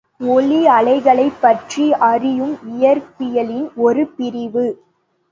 ஒலி அலைகளைப் பற்றி அறியும் இயற்பியலின் ஒரு பிரிவு.